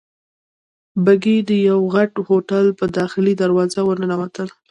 بګۍ د یوه غټ هوټل په داخلي دروازه ورننوتل.